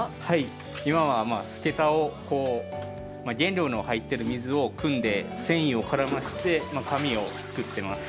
今は原料の入った水をくんで繊維を絡ませて、紙を作ってます。